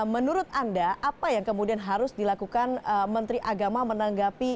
menurut anda apa yang kemudian harus dilakukan menteri agama menanggapi